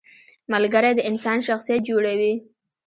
• ملګری د انسان شخصیت جوړوي.